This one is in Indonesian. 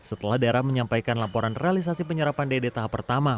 setelah daerah menyampaikan laporan realisasi penyerapan dd tahap pertama